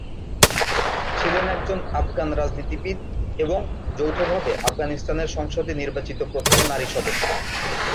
ছিলেন একজন আফগান রাজনীতিবিদ এবং যৌথভাবে আফগানিস্তানের সংসদে নির্বাচিত প্রথম নারী সদস্য।